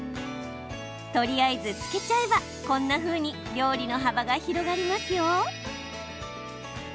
とりあえず漬けちゃえばこんなふうに料理の幅が広がりますよ。